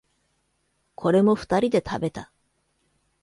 これも二人で食べた。